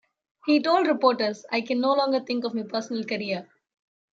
He told reporters, I can no longer think of my personal career.